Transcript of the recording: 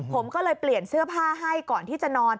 ผมก็เลยเปลี่ยนเสื้อผ้าให้ก่อนที่จะนอน